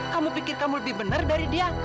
kamu pikir kamu lebih benar dari dia